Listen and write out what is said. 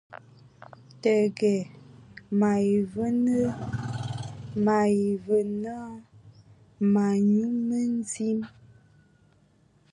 Təgə, mayi və nə ma nyu mədim.